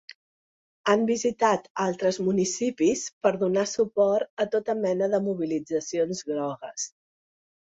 Han visitat altres municipis per donar suport a tota mena de mobilitzacions grogues.